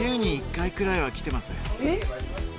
えっ！